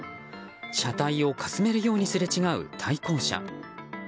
車体をかすめるようにすれ違う対向車。